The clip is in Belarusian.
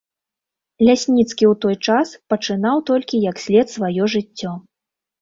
Лясніцкі ў той час пачынаў толькі як след сваё жыццё.